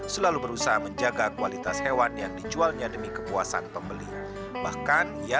selalu berusaha menjaga kualitas hewan yang dijualnya demi kepuasan pembeli bahkan ia